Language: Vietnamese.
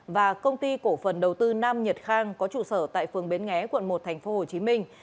và công ty cổ phần đầu tư nam nhật khang có trụ sở tại phường bến nghé quận một thành phố hồ chí minh